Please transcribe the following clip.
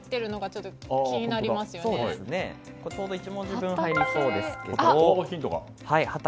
ちょうど１文字分入りそうですが。